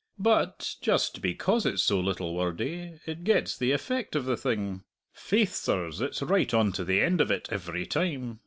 But, just because it's so little wordy, it gets the effect of the thing faith, sirs, it's right on to the end of it every time!